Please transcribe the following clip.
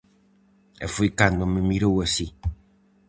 E foi cando me mirou así.